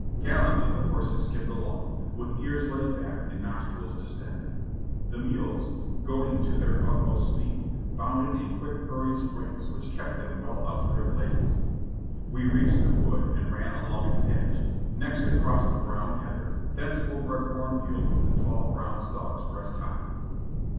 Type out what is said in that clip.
Gallantly the horses skimmed along, with ears laid back and nostrils distended. The mules, goaded to their ut most speed, bounded in quick, hurried springs, which kept them well up to their places. We reached the wood and ran along its A DASHING RIDE 62/ edge, next across a brown heather, thence over a corn field with the tall, brown stalks breast high.